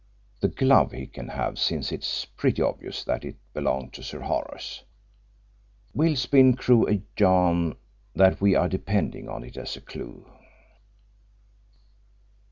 The glove he can have since it is pretty obvious that it belonged to Sir Horace. We'll spin Crewe a yarn that we are depending on it as a clue."